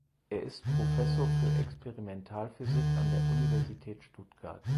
Er ist Professor für Experimentalphysik an der Universität Stuttgart.